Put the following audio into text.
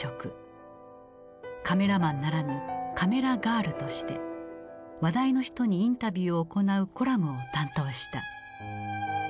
カメラマンならぬカメラガールとして話題の人にインタビューを行うコラムを担当した。